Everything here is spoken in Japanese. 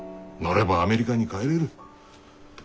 乗ればアメリカに帰れる。